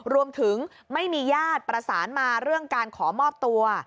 รวมถึงไม่มีญาติประสานมาเรื่องการขอมอบตัว